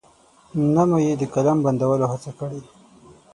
نه مو يې کله د قلم بند کولو هڅه کړې.